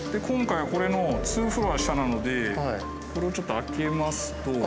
今回はこれの２フロア下なのでこれをちょっと開けますと。